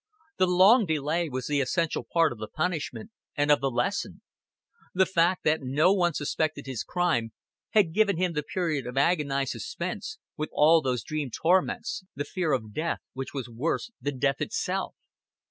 The long delay was the essential part of the punishment, and of the lesson. The fact that no one suspected his crime had given him the period of agonized suspense, with all those dream torments, the fear of death which was worse than death itself.